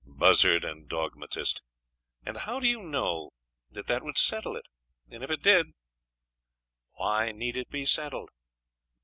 Buzzard and dogmatist! And how do you know that that would settle it? And if it did why need it be settled?....